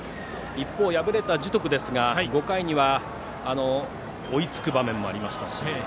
一方、敗れた樹徳ですが５回には追いつく場面もありましたし。